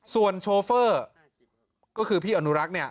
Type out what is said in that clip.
ส่วนโชเฟอร์ก็คือพี่อนุรักษ์เนี่ย